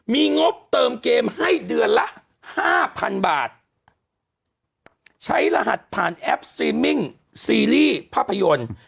มีงบเติมเกมให้เดือนละห้าพันบาทใช้รหัสผ่านแอปสตรีมมิ่งซีรีส์ภาพยนตร์